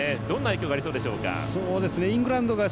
どんな影響がありそうでしょうか。